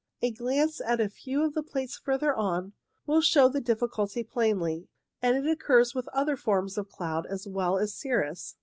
A glance at a few of the plates further on will show the difficulty plainly, and it occurs with other forms of cloud as well as cirrus.